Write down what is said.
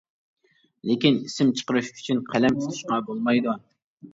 لېكىن ئىسىم چىقىرىش ئۈچۈن قەلەم تۇتۇشقا بولمايدۇ.